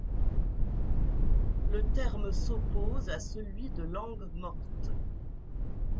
Le terme s'oppose à celui de langue morte.